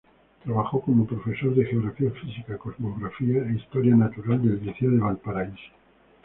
Trabajó como profesor de geografía física, cosmografía e historia natural del Liceo de Valparaíso.